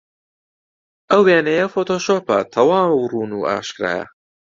ئەو وێنەیە فۆتۆشۆپە، تەواو ڕوون و ئاشکرایە.